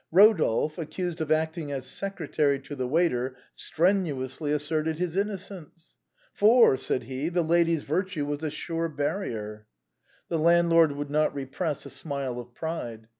Eodolphe, accused of acting as secre tary to the waiter, strenuously asserted his innocence —" For," said he, " the lady's virtue was a sure barrier —" The landlord could not repress a smile of pride.